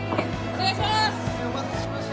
お願いします！